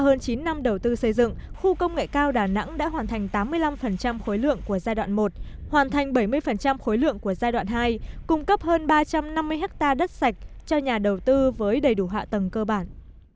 hoàn thành bảy mươi khối lượng của giai đoạn một hoàn thành bảy mươi khối lượng của giai đoạn hai cung cấp hơn ba trăm năm mươi ha đất sạch cho nhà đầu tư với đầy đủ hạ tầng cơ bản